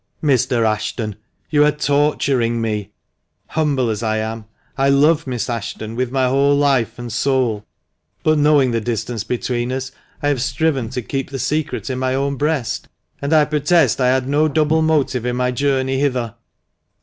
"Mr. Ashton, you are torturing me. Humble as I am, I love Miss Ashton with my whole life and soul. But knowing the distance between us, I have striven to keep the secret in my own breast. And I protest I had no double motive in my journey hither."